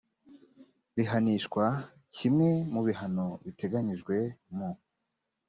rihanishwa kimwe mu bihano biteganyijwe mu